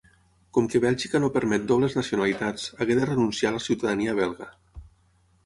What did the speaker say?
Com que Bèlgica no permet dobles nacionalitats, hagué de renunciar a la ciutadania belga.